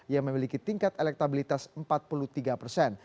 yang memiliki tingkat elektabilitas empat puluh tiga persen